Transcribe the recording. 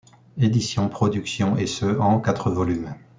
Éditions Production, et ce, en quatre volumes.